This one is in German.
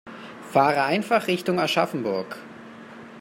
Fahre einfach Richtung Aschaffenburg